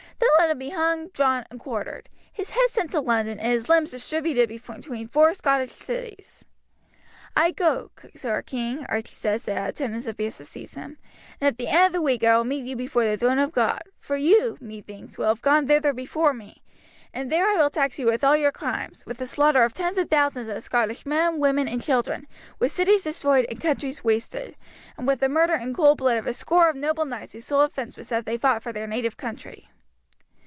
Then let him be hung, drawn, and quartered, his head sent to London, and his limbs distributed between four Scotch cities." "I go, sir king," Archie said, as the attendants advanced to seize him, "and at the end of the week I will meet you before the throne of God, for you, methinks, will have gone thither before me, and there will I tax you with all your crimes, with the slaughter of tens of thousands of Scottish men, women, and children, with cities destroyed and countries wasted, and with the murder in cold blood of a score of noble knights whose sole offence was that they fought for their native country."